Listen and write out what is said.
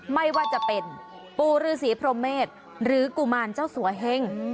ไม่ว่าจะเป็นปูฤษีพรหมศหรือกุมารเจ้าสวยแห่ง